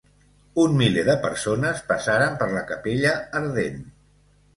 Un miler de persones passaren per la capella ardent.